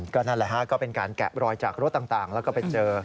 ก็นั่นแหละฮะก็เป็นการแกะรอยจากรถต่างแล้วก็ไปเจอ